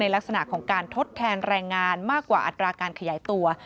ลักษณะของการทดแทนแรงงานมากกว่าอัตราการขยายตัว